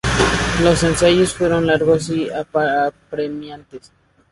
Los ensayos fueron largos y apremiantes.